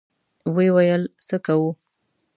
ويې ويل: څه کوو؟